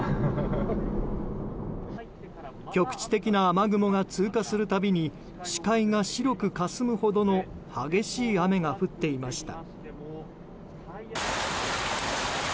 局地的な雨雲が通過するたびに視界が白くかすむほどの激しい雨が降っていました。